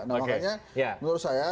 nah makanya menurut saya